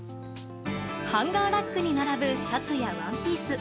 ハンガーラックに並ぶシャツやワンピース。